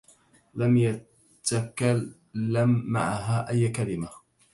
لم يتكلم معها اي كلمة.